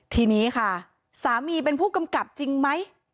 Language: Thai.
ทีนี้ค่ะสามีเป็นผู้กำกับจริงไหม